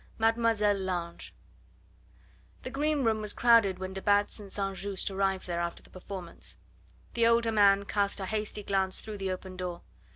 MADEMOISELLE LANGE The green room was crowded when de Batz and St. Just arrived there after the performance. The older man cast a hasty glance through the open door.